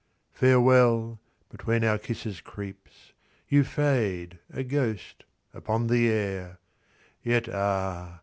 " Farewell " between our kisses creeps, You fade, a ghost, upon the air ; Yet ah